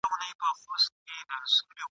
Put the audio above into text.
په میوند کي دوه قبرونه جوړ سوي دي.